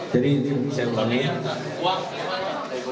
jadi ini bisa diberi ya